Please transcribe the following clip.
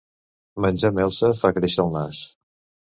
Menjar melsa fa créixer el nas.